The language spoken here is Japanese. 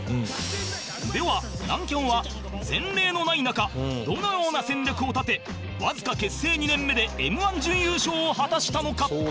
では南キャンは前例のない中どのような戦略を立てわずか結成２年目で Ｍ−１ 準優勝を果たしたのか？